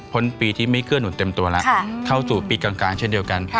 พ้นปีที่ไม่เคลื่อนหนุนเต็มตัวแล้วเท่าสู่ปีกลางกลางเช่นเดียวกัน